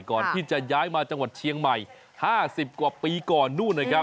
ก่อนที่จะย้ายมาจังหวัดเชียงใหม่๕๐กว่าปีก่อนนู่นนะครับ